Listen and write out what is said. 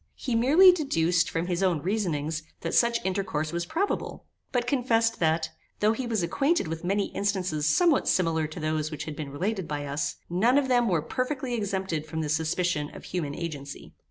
He merely deduced, from his own reasonings, that such intercourse was probable; but confessed that, though he was acquainted with many instances somewhat similar to those which had been related by us, none of them were perfectly exempted from the suspicion of human agency.